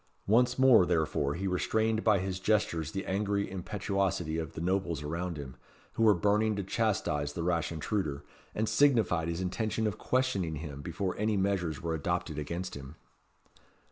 Once more, therefore, he restrained by his gestures the angry impetuosity of the nobles around him, who were burning to chastise the rash intruder, and signified his intention of questioning him before any measures were adopted against him.